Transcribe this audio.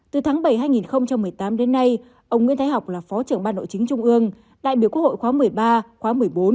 từ tháng bảy hai nghìn một mươi tám đến nay ông nguyễn thái học là phó trưởng ban nội chính trung ương đại biểu quốc hội khóa một mươi ba khóa một mươi bốn